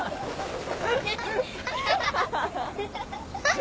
ハハハハ。